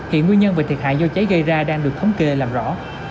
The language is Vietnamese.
hiện nguyên nhân và thiệt hại do cháy gây ra đang được thống kê làm rõ